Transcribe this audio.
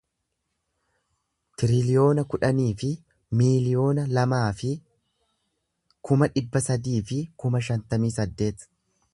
tiriliyoona kudhanii fi miiliyoona lamaa fi kuma dhibba sadii fi kuma shantamii saddeet